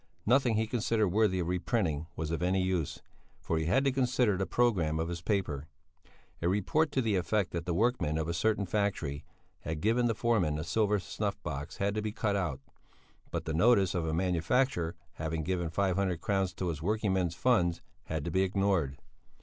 Nothing he considered worthy of reprinting was of any use, for he had to consider the programme of his paper. A report to the effect that the workmen of a certain factory had given the foreman a silver snuff box had to be cut out; but the notice of a manufacturer having given five hundred crowns to his working men's funds had to be ignored.